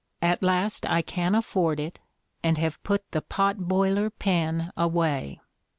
At last I can afford it, and have put the pot boiler pen away.